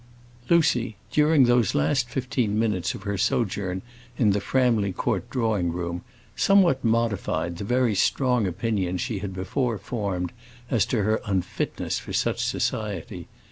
Lucy, during those last fifteen minutes of her sojourn in the Framley Court drawing room, somewhat modified the very strong opinion she had before formed as to her unfitness for such society.